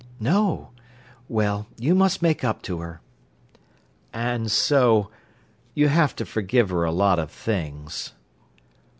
"No! Well, you must make up to her." "And so—you have to forgive her a lot of things."